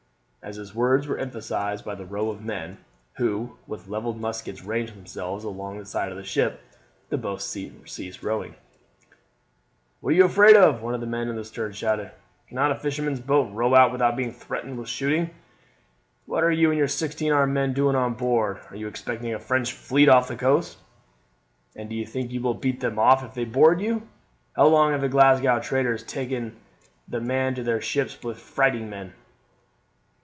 As his words were emphasized by the row of men, who with levelled muskets ranged themselves along at the side of the ship, the boat ceased rowing. "What are you afraid of?" one of the men in the stern shouted. "Cannot a fisherman's boat row out without being threatened with shooting? What are you and your sixteen armed men doing on board? Are you expecting a French fleet off the coast? And do you think you will beat them off if they board you? How long have the Glasgow traders taken to man their ships with fighting men?"